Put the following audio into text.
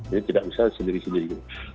jadi tidak bisa sendiri sendiri